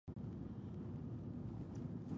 د حق په لاره کې مه ویریږئ.